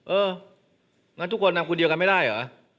เอองั้นทุกคนทำคนเดียวกันไม่ได้เหรอ